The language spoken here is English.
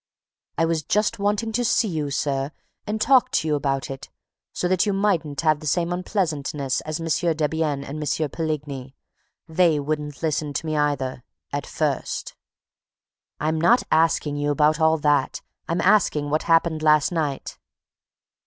"I was just wanting to see you, sir, and talk to you about it, so that you mightn't have the same unpleasantness as M. Debienne and M. Poligny. They wouldn't listen to me either, at first." "I'm not asking you about all that. I'm asking what happened last night."